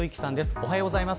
おはようございます。